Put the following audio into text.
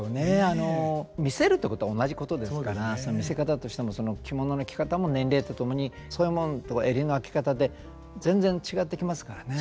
あの見せるっていうことは同じことですから見せ方としてもその着物の着方も年齢とともに襟の開け方で全然違ってきますからね。